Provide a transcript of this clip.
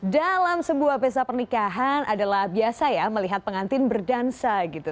dalam sebuah pesta pernikahan adalah biasa ya melihat pengantin berdansa gitu